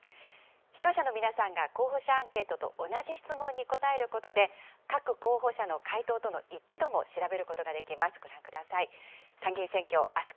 視聴者の皆さんが候補者アンケートと同じ質問に答えることで、各候補者の回答との一致度も調べることができます。